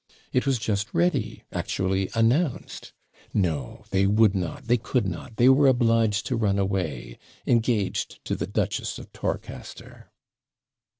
It was just ready actually announced. 'No, they would not they could not; they were obliged to run away engaged to the Duchess of Torcaster.'